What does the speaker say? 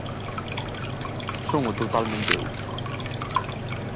Son o totalmente outro.